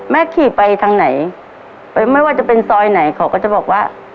ขี่ไปทางไหนไม่ว่าจะเป็นซอยไหนเขาก็จะบอกว่า